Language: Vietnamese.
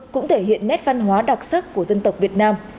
cũng thể hiện nét văn hóa đặc sắc của dân tộc việt nam